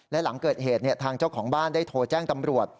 และหลังเกิดเหตุทางเจ้าของบ้านได้โทรแจ้งตำรวจ